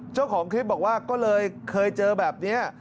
เจ้าของคลิปบอกว่าก็เลยเคยเจอแบบนี้